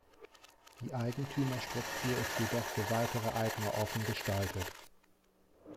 Die Eigentümerstruktur ist jedoch für weitere Eigner offen gestaltet.